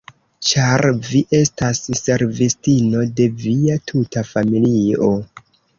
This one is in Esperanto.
Ĉar vi estas servistino de via tuta familio.